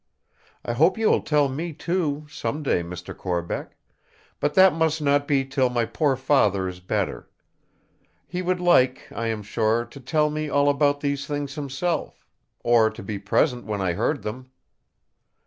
I hope you will tell me too, some day, Mr. Corbeck; but that must not be till my poor Father is better. He would like, I am sure, to tell me all about these things himself; or to be present when I heard them."